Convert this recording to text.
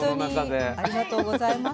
ほんとにありがとうございます。